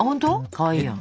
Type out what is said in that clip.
かわいいやん。